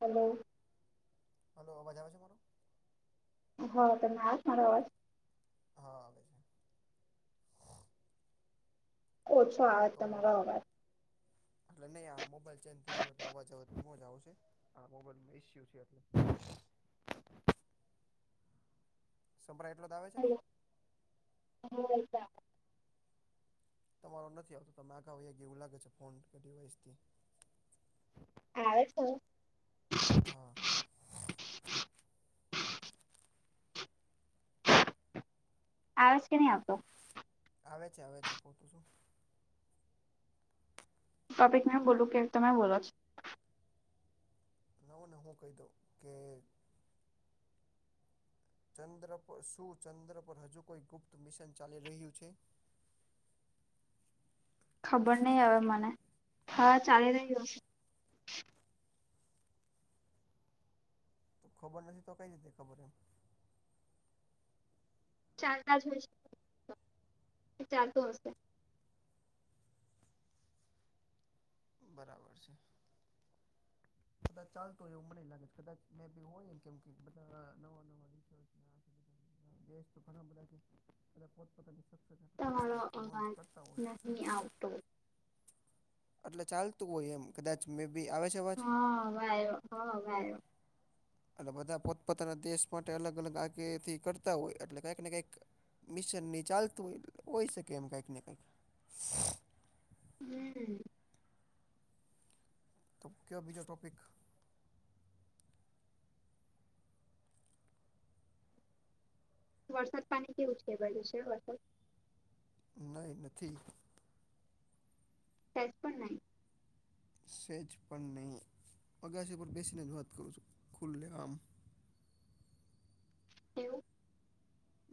Hello. Hello અવાજ આવે છે મારો હા તમે આવે છે મારો અવાજ. હા. ઓછો આવે તો તમારો અવાજ એટલે નહી આ મોબાઈલ ચેન્જ થઇ ગયો એટલે ધીમો જ આવશે. હા મોબાઈલ સ્પેશિયલ છે એટલે. સમભરાય એટલો તો આવે છેને બોલતા તમારો નથી આવતો તમે આગા વ્યા કે એવું લાગે છે ફોન કે ડીવાઈસ થી હા આવે છે હવે હા. આવેજ કે નહીં આવતો. આવે છે આવે છે ખોટું શું તોપિક મે બોલુ કે તમે બોલો છો લાવો ને હું કહી દઉ કે ચંદ્ર પર શું ચંદ્ર પર હજુ કોઈ ગુપ્ત મિશન ચાલી રહ્યું છે. ખબર નહી આવે મને હા ચાલી રહ્યો હશે. તો ખબર નથી તો કઈ રીતે ખબર એમ. ચાર પાંચ હશે હો ચાર તો હશે બરાબર છે. કદાચ ચાલતું હોય એવું મને લાગે છે કદાચ મેં બી હોય કેમ કે બધા નવા નવા રસ દેશ તો ઘણા બદ કે બ પતા લ શ [unintelligible] તમારો અવાજ નથી આવતો એટલે ચાલતું હોય એમ. કદાચ મે બી આવે છે. અવાજ હા અવે હ વાયો. એટ બધા પોતપોતાના દેશ માટે અલગ અલગ આગેથી કરતા હોય એટલે કઈક ને કઈક મિશ્રણ નિની ચાલ તો હો હોય શકેમ કાંકને કાંક. હમ. તો ક બીજો ટોપિક. વરસાદ પાણી કેવું છે ભાઈ છે વરસાદ? ન નથી. ત જ પણ નહી. સેજ પણ નહીં, અગાસ ઉપર બેસીને જ વાત કરું છું ખુલ્લે આમ. એવું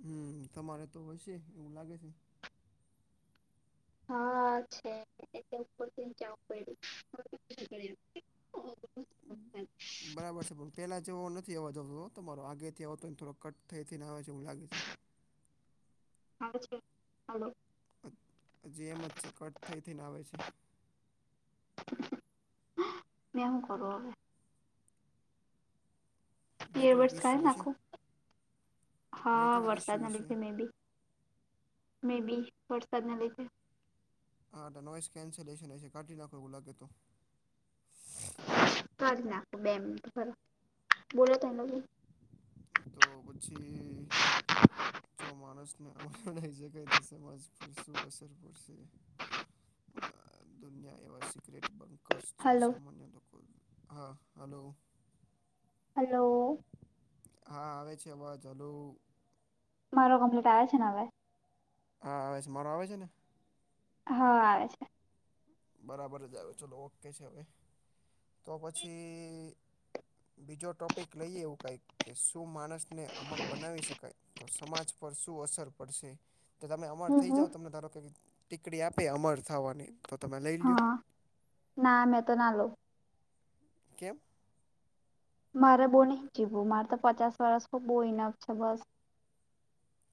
હમ તમારે તો હશે એવું લાગે છે. હા છે. જ પ [unintelligible] હમ. બરાબર છે પણ પેલા જેવ નથી અવા જતો તમારો આગેથી આવતો ને થોડો કટ થઈ ને આવે છે એવું લાગે છે. હ છે? હાલો. પજીી એમ જ છે કટ થઈ થઈને આવે છે. બે હું કરૂ અવે. બે નેટવર્ક વર્ષ કરી ઇસ્યુ હશે નાખો, હા નેટવર્ક વરસાદ ઇસ્યુ ના હશે લીધે મે બી. મે બી વરસાદના લીધે. હાટ નોઈસ કેન્સેલેશન કાઢ નાખો એ લાગે તો. કરી નાખો બે મિનિટ બરોબ, બોલો તો એ લોકો. તો પછી જો માણસ ને અમર નહી શકાય તો સમમાજપુર શું અસરપુર છે. દુનિયા એવા સિક્રેટ બંકર્સ હલો હા હલો. હલો. હા આવે છે હાલો. મારો કમ્પ્લેટ આવે છે ને હવે? હા આવે છે મારો આવે છે ને? હા આવે છે. બરાબર જ આવે ચલો ઓકે છે હવે. તો પછી બીજો ટોપિક લઈ એવું કઈ કે શું માણસ ને અમલ બનાવી શકાય તો સમાજ પર શું અસર પડશે. તો તમે અમર હું થઈ હું જાઓ તમને ધારો કંઈક ટીકડી આપે અમર થવાની તો તમે લઈ લ લો? નામે તો ના લો. કેમ? મારે બહુ નહી જીવવું મારે તો પચાસ વરષ બો ઇનપ છે બસ.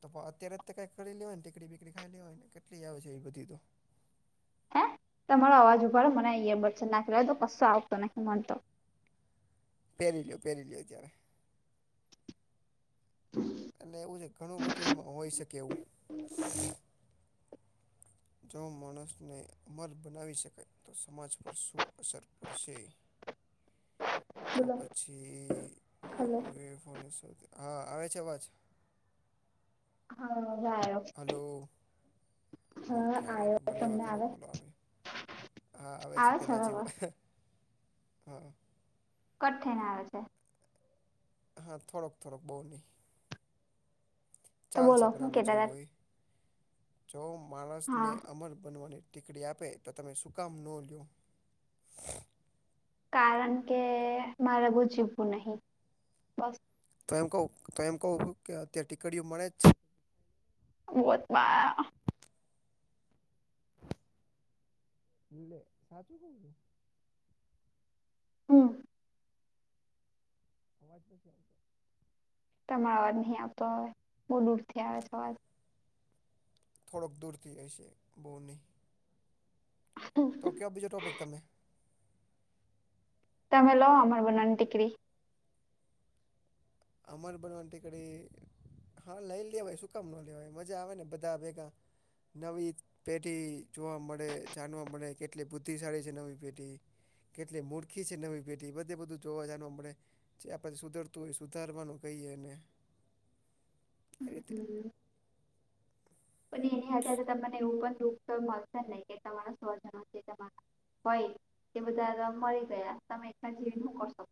તો પણ અત્યારે જ તો કંઈક કરી લે હોય ીક બીકડી ખાઈ લે હોય ને કેટલી આવે છે એ બધી તો. હે તમારો અવાજ ઉઊભાડો મને અહીયા બ નાખી લ તો કશો આવતો નથી મનતો. પહેરી લ્યો પહેરી લ્યો ત્યારે. એટલે એવું છે ઘણું બધું એમાં હોય શકે એવું. જો માણસને અમર બનાવી શકાય તો સમાજ પર શું અસર પડશે. [inaudible] તો બોલો પછી હલો યુએફોને હા આવે છે અવાજ? હા આયો. હલો હા ઓકે હલો તો આવ્યો મને હ તમને થોડ કોલો આવે. હા આવે છે પેલા જેવું હા. કઠ્ઠીને આવે છે. હા થોડક થોડક બઉુ નહી. તો બોલો ચાલસેપના હું કેતા લોજે હતા વોહી. જો માણસને હા અમર બનવાની ટીકડી આપે તો તમે શુંકામ ન લ્યો? કારણ કે મારે બહ જીવવું નહીિ બસ. તો એમ કહું તો એમ કહું કે અત્યારે ટીિકકડીઓ મળે જ છે. વહ તોમાં. એલે સાચું કવું છું. હમ. સમજ તો છે એમ. તમારો અવાજ નહી આપતો હ બહુ દૂર થી આવે છે અવાજ. થોડાક દૂરથી એ છે બો નની. હા. તો કયો બીજો ટોપિક તમે. તમેલો અમર બને ની ટિકિટ. અમરબન ટિકિટ એ હા લઈ લે ભ શું કામ ન લેવા મજા આવે ને બધા ભેગા નવી. પેઢી જોવા મળે જાણવા મળે કેટલી બુદ્ધિશાળી છે નવી પેઢી. કેટલી મૂળખી છે નવી પેઢી બધે બધું જોવા જનુંણે જે આપડથી સુધરતું હોય. સુધારવાનું કહીએને રીતે. હમ પણ એની અધારે તમને એવું પણ દુખ તો મળશે નહી કે તમારા સ્વજનો છે તમારા. હોય એ બધા મરી ગયા તમે એલા જવી ન કરશકો.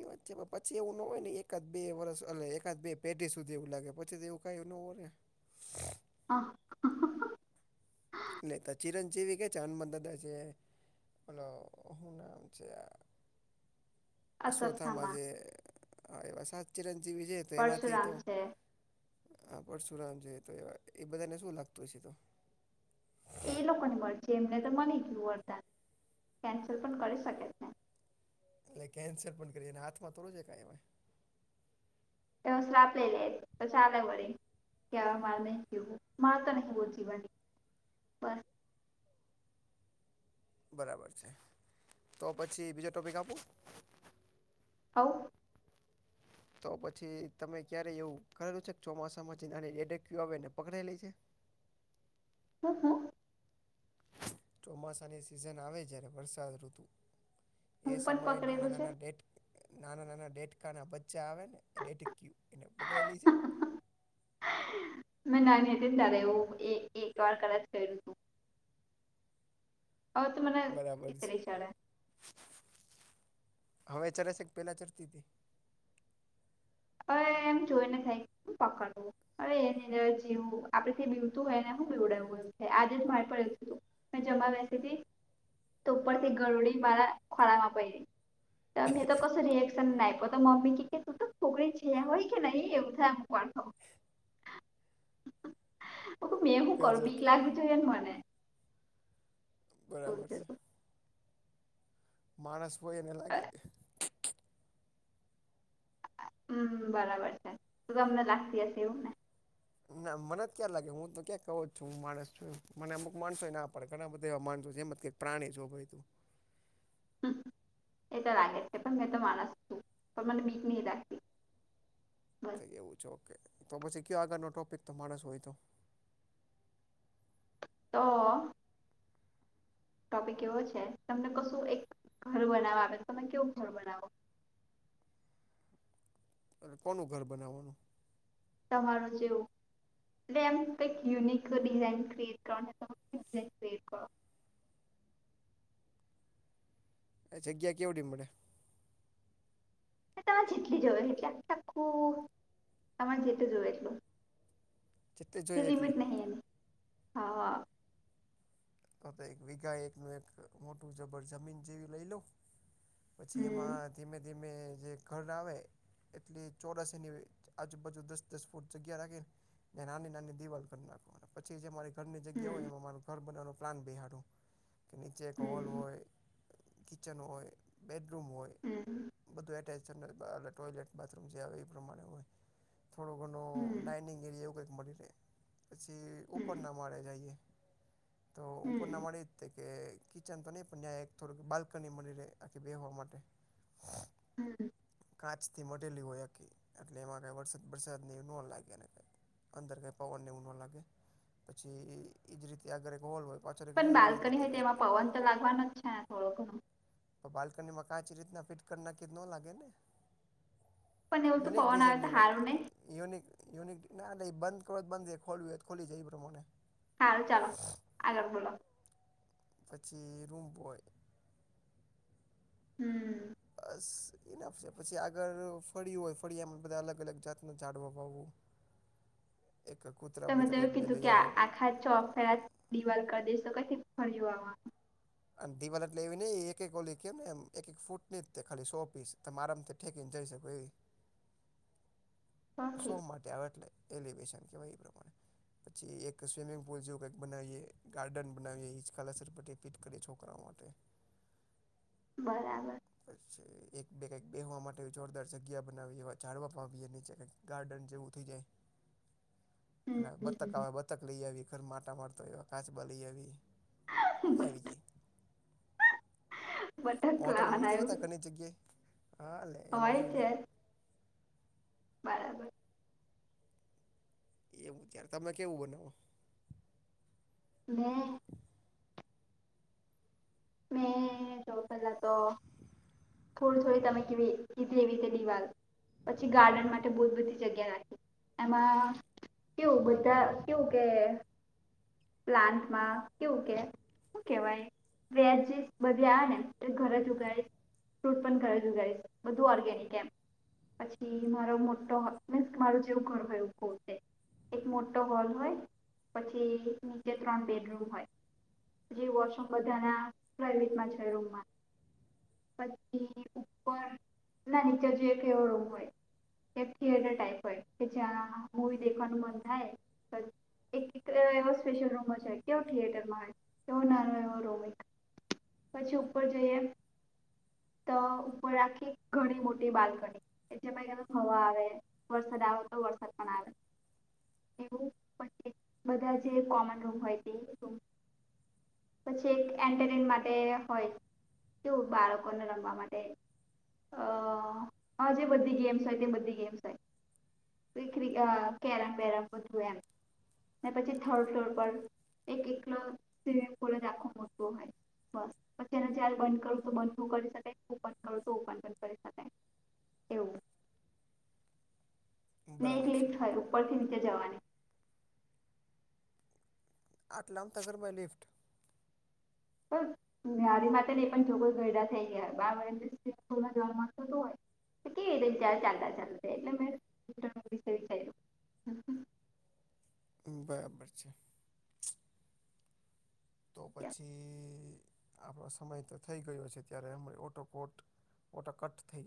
એ વાત છે પછી એવું ન હોય ને એકાદ બે વર્ષ એકાદ બે પેઢી સુધી એવું લાગે પછી તો એવું. ક ગાયયો નઑર. હા. નહી તો ચિરંજીવી કે છેાન મદદ છે મલો હું નામ છે. સોથામાં અશ્વત્થામા જે એવા સાત ચિરંજીવી છે તો એમાંથી પરશુરામ તો છે હ પરશુરામ જોઈએ તો એ બધાને શું લાગતું હશે એ લોકો ની મરજી એમને તો મની ગયું અડધાન કેન્સલ પણ કરી શકે ને એ કેન્સલ પણ કરીને એના હાથમાં થોડુ છે ક ઈ- વવસ આપ લે [unintelligible] ઈતો ચાલે વરી ક્યા માવું માર તો નહી બો જીવનની બસ- બરાબર છે તો પછી બીજો ટોપિક આપું? હ. તો પછી તમે ક્યારે એવું કરેલું છે કે ચોમાસામાં જે નાની ડેડેકુ આવે ને પકડેલી. હહ- ચોમાસાની સિઝન આવે છે વરસાદ ઋતુ. એ હું પણ સમયે નાના પકડેલું છે નાના ડેટ. નાના નાના ડેટકા ના બચ્ચા આવે ને એ ડેટક્યુ એને પકડેલી મે નાની હતી ને તારે એવું એક વાર કરેલુ હવે તો મને બરાબર ચીતરી ચડે છે હવે ચરે છે કે પેલા ચરતી હતી હવે એમ જોઈ ને થાય પકડવું હવે એની અંદર જેવું આપડેથી બીવતું હોય ને હું પીવડાવું હોય આજે જ મારેડું હતું. મે જમા બેસીથી તો ઉપરથી ગરોડી માળા ખોળમાં પયડી તો મેં તો કસો રિએક્શન નાયપો તો મમ્મી કી કે છોકરી છેયા હોય કે નહી એવું થાય મુકવાની તો મેં હું કરુ. ગજબ બિક લાગવી જોઈએ ન મને. બરાબર છે. માણસ હોય એને લાગે. હમ બરાબર છે. તો તમને લાગતી હશે એવુંને? ના મને જ ક્યાં લાગે હું તો ક્યાં કહ જ છું હું માણસ છું મને અમુક માણસો ના પણે ઘણા બધા એવા માણસો છે એમ કે પ્રાણી છોભય હ એ તો લાગે છે પણ મેં તો માણસ છું પણ મને બીક નહી લાગતી બસ એવું છે ઓકે તો પછી કયો આગળ ન ટોપિક તો માણસ હોય તો તો ટોપિક એવો છે તમને કશું એક ઘર બનાવવા આવે તમે કેવું ઘર બનાવો કોનું ઘર બનાવવાનું? તમારું જેવું. એટલે એમ કંઈક યુનિક ડિઝાઇન ક્રિએટ કરો [inaudible] ક્રએટ કરો. જગ્યા કેવડી મળે? તમારે જેટલી જોવે એટલી. આખું તમારે જેતલું જોવે એટલું. જેટલી કોઈ જોઈએ એટલી લીમિટ નહી. હા. તો તો એક વીઘા એકનું એક મોટું જબર જમીન જેવી લઈ લઉ? પછી હમ એમાં ધીમે ધીમે જે ઘર આવે એટલે ચોરાસીની આજુબાજુ દસ દસ ફૂટ જગ્યા રાખે નાની નાની દીવાલ કર નાખ. પછી જે મારી ઘરની જગ્યા હોય હમ એમાં માર ઘર બનવાનું પ્લાન બેહાડું. કે નીચે એક હોલ હમ હોય, કિચન હોય, બેડરૂમ હોય, હમ બધું એટેચ કરતા ટોયલેટ બાથરૂમ જે આવે એ પ્રમાણે હોય. થોડો ઘણો હમ ડાઇનિંગ એરિયા એવું કંઈક મળી રહે, પછી ઉપર હમ ના માળે જાઈએ. તો ઉપરના હમ માળે કે કિચન તો નહી પણ યાં થોડુંક બાલ્કની મળી રહે આખી બેહવા માટે. હમ [inaudible] કાચથી મઢેલી હોય આખી એટલે એમાં કંઈ વરસાદ વરસાદની નોં લાગે ને કંઈ. અંદર કઈ પવનને એવું ન લાગે પછી એ જ રીતે આગર એક હોલ હોય. પાછળ એક પણ રૂમ એ બાલ્કની રીતે હોય તો કંઈક એમાં પવન તો લાગવાનો જ છેને થોડો ઘણો. પણ બાલ્કનીમાં કાચ રીતના ફિટ કરી નાખીયે તો નો લાગે ને? પણ એવું તો યુનિક પવન આવે ડિઝાઇન તો નિવા હારું નહી યુનિક યુનિક ના ન એ બંધ કરો તો બંધ રે ખોલવું હોય ખૂલી જાય એ પ્રમાણે. હારૂ ચાલો. આગર બોલો. પછી રૂમ હોય. હમ. એના સિવાય પછી આગળ ફળ્યું હોય ફળિયામાં બધા અલગ અલગ જાતનું ઝાડવા વાવવું. એક કૂતરા બૂત્રા એક બે લઈ આવું. ચો ફેરા દિવાલ કરી દઈશ તો કંઈથી ફળિયું આવાનું. અન દિવાલ એટલે એવી નઈ એક એક ઓલી કે ને એક એક ફૂટની જ તે, ખાલી સો પીસ તમ આરામ થી જઈ શકો એવી. તો શો ઠીક માટે આવે એટલે. એલીબેશન કેવાય એ પ્રમાણે. પછી એક સ્વિમિંગ પુલ જેવું કઈક બનાવીએ, ગાર્ડન બનાવીએ, કા લસરપટ્ટી કંઈક કરીએ છોકરાઓ માટે. બરાબર. પછી એક બે કંઈક બેહવા માટે જોરદાર જગ્યા બનાવીએ, એવા ઝાળવા વાવીએ નીચે કંઈક ગાર્ડન જેવું થઇ જાય. હમ અને બતક આવે બત તક લઈ આવીએ, ઘરમાં આતા મારતો હોય એવા કાચબા લઇ આવીએ. મજા આવી જાય. બટક હોટલમાં લાવવાના નથી એવું હોતા ઘણી જગ્યાએ. હાલે. હોય છે. બરાબર. એવું જ્યારે તમે કેવું બનાવો? મેં મેં સૌ પેહલા તો થોડી થોડી તમે કેવી કીધી એવી રીતે દિવાલ પછી ગાર્ડન માટે બહ બધી જગ્યા રાખી. એમાં કેવું બધા કેવુ કે પ્લાન્ટમાં કેવું કે શું કેવાય? વેચ જશ બધી આવે ને તો ઘર જ ઉગાડીશ ફ્રૂટ પણ ઘરે ઉગાડીસ. બધું ઓર્ગેનિક એમ. પછી મારો મોટો મિસ મારું જેવું ઘર હોય તે. એક મોટો હોલ હોય પછી નીચે ત્રણ બેડરૂમ હોય. પછી વોશરૂમ બધાના પ્રઇવેટમાંજ હોય રૂમમાં. પછી ઉપર ના નીચે જોઈએ કે એવો રૂમ હોય. કે થથીયટર ટાઈપ હોય કે જ્યાં મુવી દખવાનું મન થાય તો એક મિત્ર એવો સ્પેશિયલ રૂમો છે કેવો થિયેટરમાંય કેવો નાનો એવો રૂમ લાઈક પછી ઉપર જઈએ તો ઉપર રાખી ઘણી મોટી બાલ્કની એ જેમાં કા તો હવા આવે વરસાદ આવે તો વરસાદ પણ આવે એવું પછી બધા જે કોમન રૂમ હોય તે રૂમ કે એક એન્ટિમેન્ટ માટે હોય એવું બાળકોને રમવા માટે અહ હા જે બધી ગેમ્સ હો તે બધી ગેમ્સ હોઈ. વીકરી અહ કેરમ વેરમ બધું એમ ને પછી થર્ડ ફ્લોર પર એક એકલો સ્વિમિંગ પૂલજ આખો બહુ હોઈ. બસ પછી એને જ્યારે બંધ કરું તો બંધ શું કરી શકાએ. હવે તો ઓપન પણ કરી શકાય. એવું ને એક બરાબર છે લિફ્ટ હોય ઉપર થી નીચે જવાની. આટલામ તાએ ઘર માં લિફ્ટ? ઓ બારી માટે ઈ પણ જોક ગરડા થઈ ગયા બા મને માનતું તો હોય. તે કેવી રીતે તચાલતા ચાલતા એટલે મેં વિ [inaudible] હ, હ. હમ્મ, બરાબર છે. તો પછી આપડો સમય તો થઈ ગયો છે ત્યારે હમણા ઓટો કોટ ઓટો કટ થઈ જાએ.